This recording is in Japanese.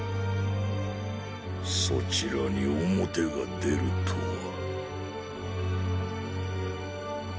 そちらに“表”が出るとは。